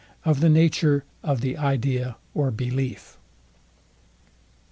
OF THE NATURE OF THE IDEA OR BELIEF.